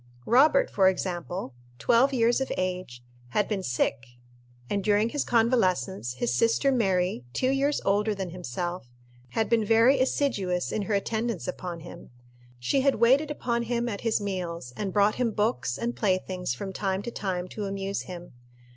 Robert, for example twelve years of age had been sick, and during his convalescence his sister Mary, two years older than himself, had been very assiduous in her attendance upon him. She had waited upon him at his meals, and brought him books and playthings, from time to time, to amuse him.